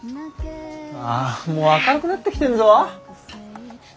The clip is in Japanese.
あもう明るくなってきてんぞ。